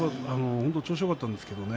本当は今場所調子よかったんですけどね